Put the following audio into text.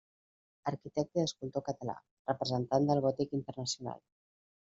Arquitecte i escultor català, representant del gòtic internacional.